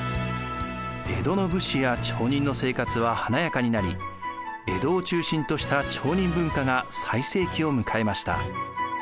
江戸の武士や町人の生活は華やかになり江戸を中心とした町人文化が最盛期を迎えました。